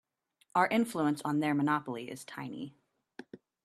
Our influence on their monopoly is tiny.